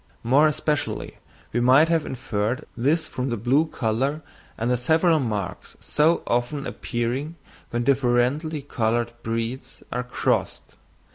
More especially we might have inferred this from the blue colour and the several marks so often appearing when differently coloured breeds are crossed.